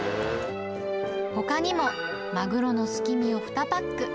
ほかにも、マグロのすき身を２パック。